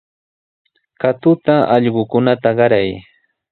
Katuta allqukunata qaray.